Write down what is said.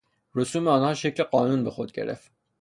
رسوم آنها شکل قانون به خود گرفت.